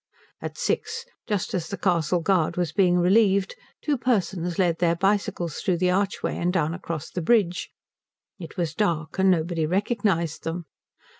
At six, just as the castle guard was being relieved, two persons led their bicycles through the archway and down across the bridge. It was dark, and nobody recognized them.